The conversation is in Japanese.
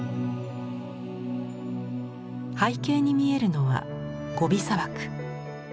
背景に見えるのはゴビ砂漠。